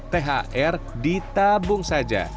thr ditabung saja